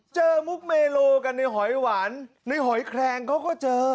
มุกเมโลกันในหอยหวานในหอยแคลงเขาก็เจอ